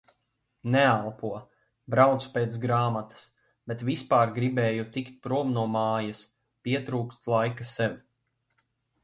Neelpo. Braucu pēc grāmatas. Bet vispār gribēju tikt prom no mājas. Pietrūkst laika sev.